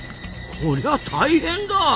こりゃ大変だ！